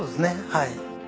はい。